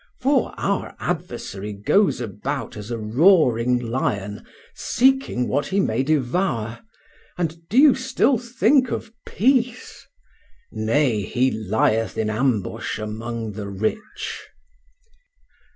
For our adversary goes about as a roaring lion seeking what he may devour, and do you still think of peace? Nay, he lieth in ambush among the rich."